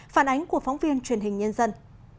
phản ánh của phóng viên truyền hình nhân dân